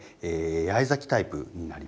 八重咲きタイプになります。